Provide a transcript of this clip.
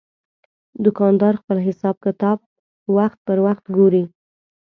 دوکاندار خپل حساب کتاب وخت پر وخت ګوري.